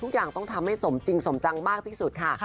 ทุกอย่างต้องทำให้สมจริงสมจังมากที่สุดก็ค่ะ